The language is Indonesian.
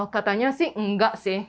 katanya sih enggak sih